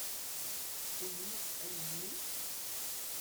Tumned ayen-nni?